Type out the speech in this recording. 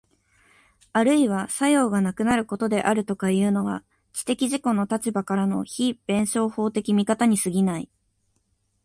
あるいは作用がなくなることであるとかいうのは、知的自己の立場からの非弁証法的見方に過ぎない。